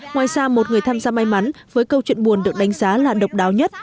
ngoài ra một người tham gia may mắn với câu chuyện buồn được đánh giá là độc đáo nhất